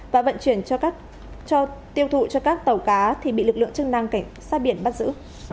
và vận chuyển cho tiêu thụ cho các tàu cá thì bị lực lượng chức năng cảnh sát biển bắt giữ